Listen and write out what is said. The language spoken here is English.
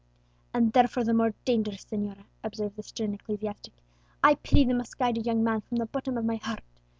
"And therefore the more dangerous, señora," observed the stern ecclesiastic. "I pity the misguided young man from the bottom of my heart.